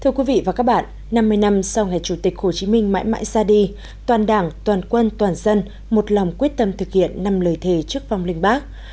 thưa quý vị và các bạn năm mươi năm sau ngày chủ tịch hồ chí minh mãi mãi xa đi toàn đảng toàn quân toàn dân một lòng quyết tâm thực hiện năm lời thề trước vong linh bác